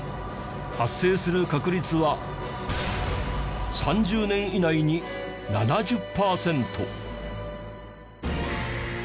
発生する確率は３０年以内に７０パーセント。